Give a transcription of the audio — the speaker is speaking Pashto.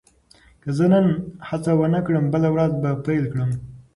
که زه نن هڅه ونه کړم، بله ورځ به پیل کړم.